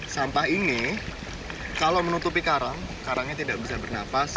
sampah ini kalau menutupi karang karangnya tidak bisa bernapas